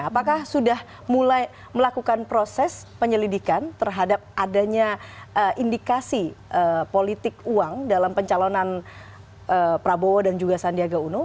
apakah sudah mulai melakukan proses penyelidikan terhadap adanya indikasi politik uang dalam pencalonan prabowo dan juga sandiaga uno